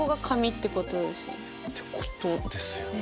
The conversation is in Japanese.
ってことですよね？